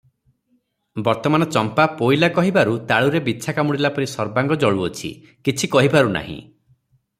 ବର୍ତ୍ତମାନ ଚମ୍ପା ପୋଇଲା' କହିବାରୁ ତାଳୁରେ ବିଛା କାମୁଡ଼ିଲାପରି ସର୍ବାଙ୍ଗ ଜଳୁଅଛି, କିଛି କହିପାରୁ ନାହିଁ ।